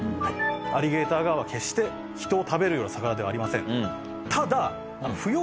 アリゲーターガーは決して人を食べるような魚ではありません。